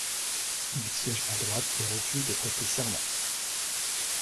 Il siège à droite et refuse de prêter serment.